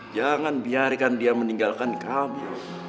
jangan biarkan dia meninggalkan kami